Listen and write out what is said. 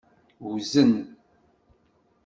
Wzen.